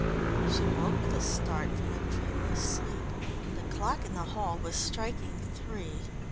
She woke with a start from a dreamless sleep. The clock in the hall was striking three.